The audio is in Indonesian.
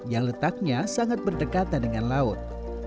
yang letaknya sangat berdekatan dengan laut